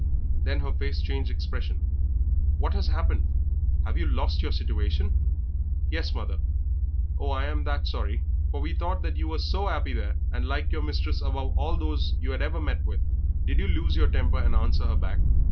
Then her face changed expression. "What has happened? Have you lost your situation?" "Yes, mother." "Oh, I am that sorry, for we thought you was so 'appy there and liked your mistress above all those you 'ad ever met with. Did you lose your temper and answer her back?